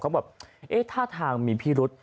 เขาแบบเอ๊ะท่าทางมีพิรุษ